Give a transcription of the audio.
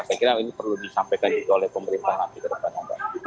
saya kira ini perlu disampaikan juga oleh pemerintah nanti ke depannya mbak